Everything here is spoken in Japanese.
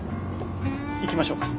行きましょうか。